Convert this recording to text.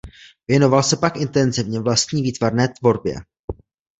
Věnoval se pak intenzivně vlastní výtvarné tvorbě.